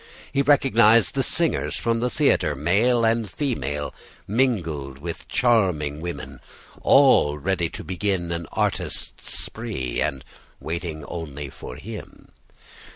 He recognized the singers from the theatre, male and female, mingled with charming women, all ready to begin an artists' spree and waiting only for him.